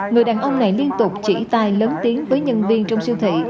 người đàn ông này liên tục chỉ tai lớn tiếng với nhân viên trong siêu thị